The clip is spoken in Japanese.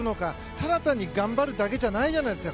ただ単に頑張るだけじゃないじゃないですか